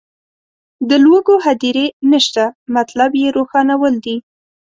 د لوږو هدیرې نشته مطلب یې روښانول دي.